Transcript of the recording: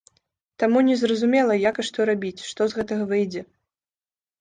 Таму незразумела, як і што рабіць, што з гэтага выйдзе.